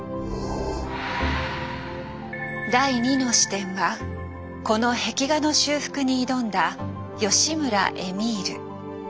第２の視点はこの壁画の修復に挑んだ吉村絵美留。